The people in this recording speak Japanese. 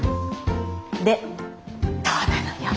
でどうなのよ？